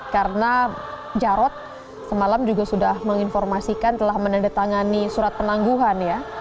karena jarod semalam juga sudah menginformasikan telah menandatangani surat penangguhan ya